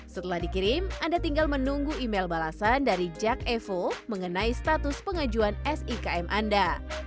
setelah dikirim anda tinggal menunggu email balasan dari jak evo mengenai status pengajuan sikm anda